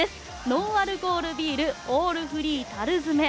ノンアルコールビールオールフリー樽詰。